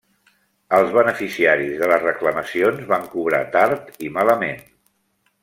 Els beneficiaris de les reclamacions van cobrar tard i malament.